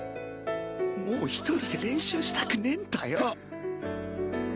もう１人で練習したくねえんだよ。